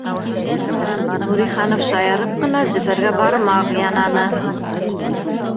Нуриханов шаярып ҡына Зөфәргә бармаҡ янаны